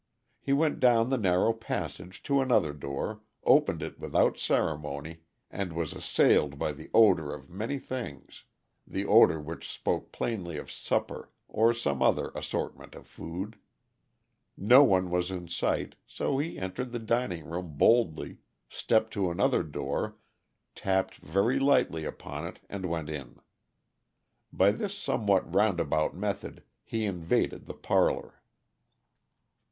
He went down the narrow passage to another door, opened it without ceremony, and was assailed by the odor of many things the odor which spoke plainly of supper, or some other assortment of food. No one was in sight, so he entered the dining room boldly, stepped to another door, tapped very lightly upon it, and went in. By this somewhat roundabout method he invaded the parlor.